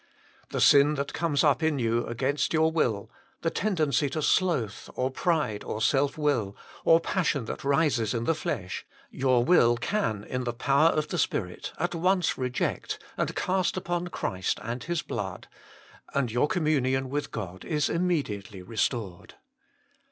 The sin that comes up in you against your will, the tendency to sloth, or pride, or self will, or passion that rises in the flesh, your will can, in the power of the Spirit, at once reject, and cast upon Christ and His blood, and your communion with God is immediately restored.